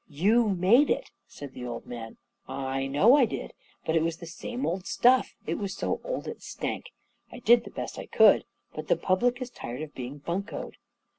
" You made it," said the old man. 44 I know I did —* but it was the same old stuff — it was so old it stank ! I did the best I could. But the public is tired of being buncoed."